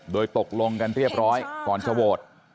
โดยตกลงกันเรียบร้อยก่อนจะโหวต